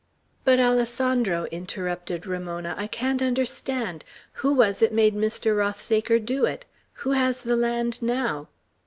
"But, Alessandro," interrupted Ramona, "I can't understand. Who was it made Mr. Rothsaker do it? Who has the land now?"